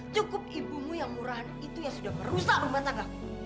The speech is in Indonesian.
cukup ibumu yang murah itu yang sudah merusak rumah tangga